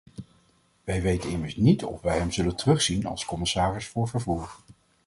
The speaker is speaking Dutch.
Wij weten immers niet of wij hem zullen terugzien als commissaris voor vervoer.